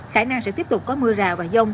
khả năng sẽ tiếp tục có mưa rào và dông